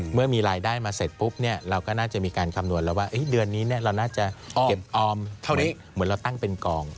เมื่อมีรายได้มาเสร็จปุ๊บเราก็น่าจะมีการคำนวณแล้วว่าเดือนนี้เราน่าจะเก็บออมเท่านี้เหมือนเราตั้งเป็นกอง